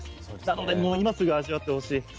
なのでもう今すぐ味わってほしい。